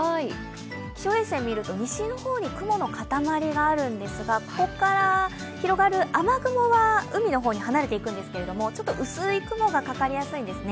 気象衛星見ると、西の方に、雲の塊があるんですがここから広がる雨雲は海の方に離れていくんですがちょっと薄い雲がかかりやすいですね。